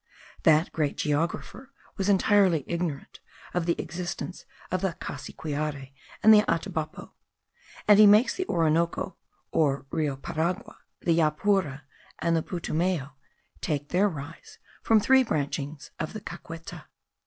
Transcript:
That great geographer was entirely ignorant of the existence of the Cassiquiare and the Atabapo; and he makes the Orinoco or Rio Paragua, the Japura, and the Putumayo, take their rise from three branchings of the Caqueta.